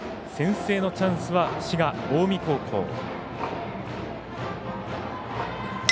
先制のチャンスは滋賀、近江高校。